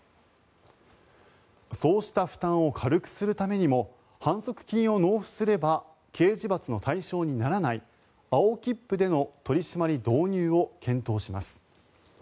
そうした負担を軽くするためにも反則金を納付すれば刑事罰の対象にならない青切符での取り締まり導入を検討します。